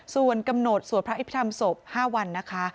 ส่วนกำหนดสวดพระอภิษฐรรมศพ๕วันนะคะ